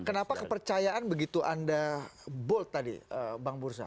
kenapa kepercayaan begitu anda bold tadi bang bursa